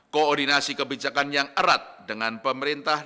koordinasi kebijakan yang erat dengan pemerintah